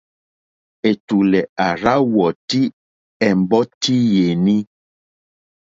Ɛ̀tùlɛ̀ à rzá wɔ́tì ɛ̀mbɔ́tí yèní.